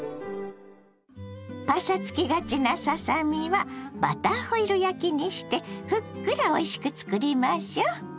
パサつきがちなささ身はバターホイル焼きにしてふっくらおいしく作りましょう。